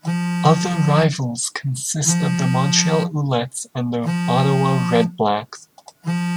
Other rivals consist of the Montreal Alouettes and the Ottawa Redblacks.